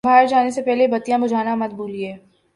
باہر جانے سے پہلے بتیاں بجھانا مت بھولئے